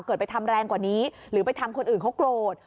ไปทำแรงกว่านี้หรือไปทำคนอื่นเขาโกรธ